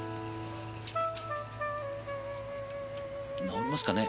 直りますかね？